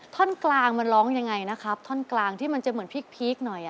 ท่อนกลางมันร้องยังไงนะครับท่อนกลางที่มันจะเหมือนพีคหน่อย